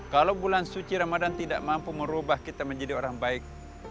kalau bulan suci ramadan tidak mampu merubah kita menjadi orang baik